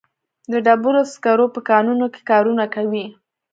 د ډبرو سکرو په کانونو کې کارونه کوي.